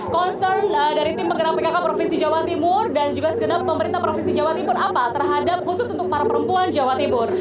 concern dari tim penggerak pkk provinsi jawa timur dan juga segenap pemerintah provinsi jawa timur apa terhadap khusus untuk para perempuan jawa timur